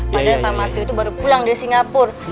padahal pak marsiu itu baru pulang dari singapur